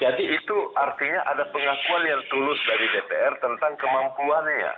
jadi itu artinya ada pengakuan yang tulus dari dpr tentang kemampuannya